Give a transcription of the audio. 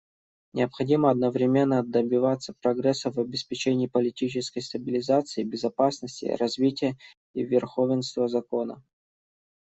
Необходимо одновременно добиваться прогресса в обеспечении политической стабилизации, безопасности, развития и верховенства закона.